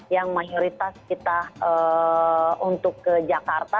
yang mayoritas kita untuk ke jakarta